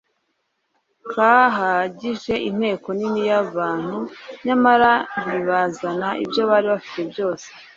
kahagije inteko nini y'abantu, nyamara ntibazana ibyo bari bafite byose,